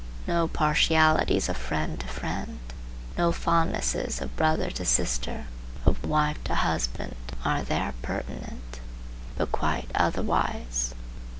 No partialities of friend to friend, no fondnesses of brother to sister, of wife to husband, are there pertinent, but quite otherwise.